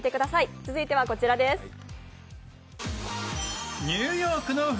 続いてはこちらです。